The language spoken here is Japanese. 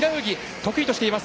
得意としています。